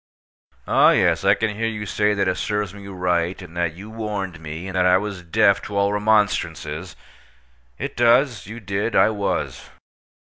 Oh, yes, I can hear you say that it serves me right, and that you warned me, and that I was deaf to all remonstrances. It does. You did. I was.